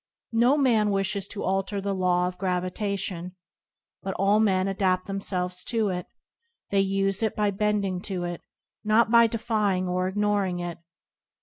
No man wishes to alter the law of gravitation, but all men adapt themselves to it; they use it by bending to it, not by defying or ignoring it.